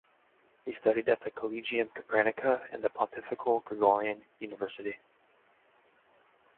He studied at the Collegium Capranica and the Pontifical Gregorian University.